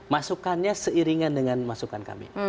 masukannya seiringan dengan masukan kami